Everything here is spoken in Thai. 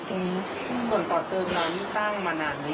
ส่วนต่อเติมนอนนี่ตั้งมานานหรือยังครับครับ